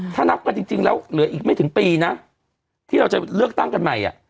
ถ้านับกันจริงแล้วเหลืออีกไม่ถึงปีนะที่เราจะเลือกตั้งกันใหม่